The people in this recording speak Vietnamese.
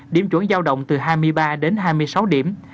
điểm chuẩn giao động từ hai mươi ba đến hai mươi sáu điểm